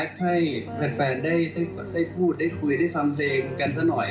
ให้แฟนได้พูดได้คุยได้ฟังเพลงกันซะหน่อย